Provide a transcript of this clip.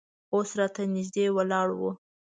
اوس راته نږدې ولاړ و.